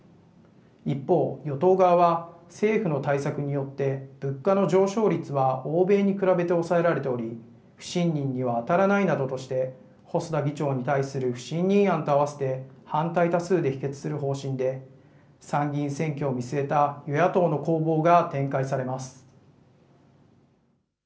一方、与党側は政府の対策によって物価の上昇率は欧米に比べて抑えられており不信任にはあたらないなどとして細田議長に対する不信任案とあわせて反対多数で否決する方針で参議院選挙を見据えた与野党の攻防が展開されます。